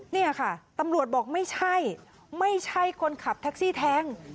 เนี่ยค่ะตำรวจบอกไม่ใช่ไม่ใช่คนขับแท็กซี่แทง